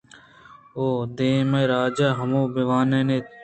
ءُ دیم ءَ راج ءَ ھم بہ وانین ایت